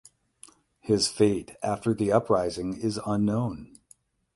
His fate after the uprising is unknown.